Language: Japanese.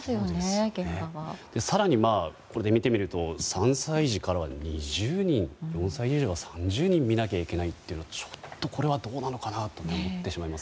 更に見てみると３歳児からは２０人４歳児以上は３０人見なきゃいけないというのはちょっとこれはどうなのかなと思ってしまいます。